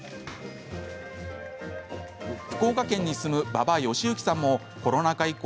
福岡県に住む馬場義之さんもコロナ禍以降